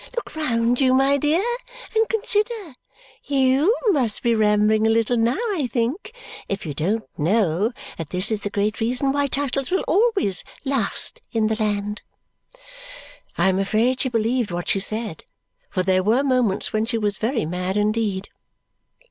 Look round you, my dear, and consider. YOU must be rambling a little now, I think, if you don't know that this is the great reason why titles will always last in the land!" I am afraid she believed what she said, for there were moments when she was very mad indeed.